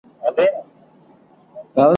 چي حتی د ویر او ماتم پر کمبله هم پر ژبو زهر لري ,